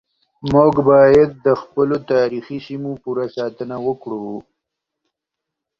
موږ بايد د خپلو تاريخي سيمو پوره ساتنه وکړو.